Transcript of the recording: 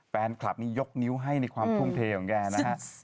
แฟนคลับนี้ยกนิ้วให้ในความทุ่มเทของแกนะฮะ